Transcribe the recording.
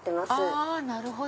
あなるほど。